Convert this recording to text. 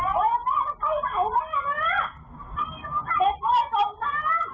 จะต่อไม่ไหร่นะฮะ